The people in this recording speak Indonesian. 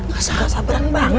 gak sabaran banget